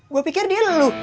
gua pikir dia elu